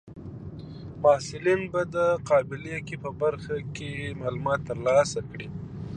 محصلین به د قابله ګۍ په برخه کې معلومات ترلاسه کړي.